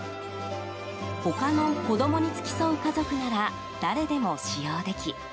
他の子供に付き添う家族なら誰でも使用でき